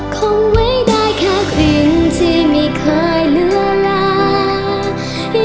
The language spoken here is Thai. คงไว้ได้แค่ครึ่งที่ไม่เคยเหลือลา